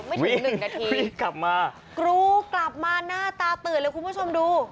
ถึงหนึ่งนาทีกลับมากรูกลับมาหน้าตาตื่นเลยคุณผู้ชมดู